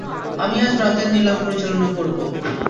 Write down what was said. আমি আজ রাতের নিলাম পরিচালনা করব।